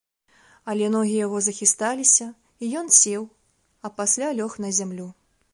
Але ногі яго захісталіся, і ён сеў, а пасля лёг на зямлю.